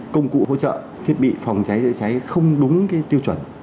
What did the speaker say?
công cụ hỗ trợ thiết bị phòng cháy chữa cháy không đúng tiêu chuẩn